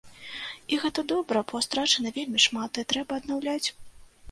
І гэта добра, бо страчана вельмі шмат, і трэба аднаўляць.